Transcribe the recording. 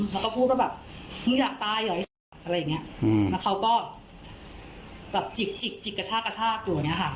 แล้วก็พูดว่าแบบมึงอยากตายเหรอไอ้สากอะไรอย่างเงี้ยแล้วเขาก็แบบจิกจิกจิกกระชากกระชากอยู่อย่างเงี้ค่ะ